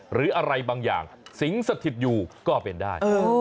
หรืออะไรบางอย่างสิงสถิตอยู่ก็เป็นได้